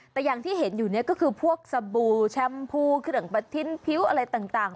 แต่อย่างที่เห็นอยู่เนี่ยก็คือพวกสบู่แชมพูเครื่องปะทิ้นผิวอะไรต่าง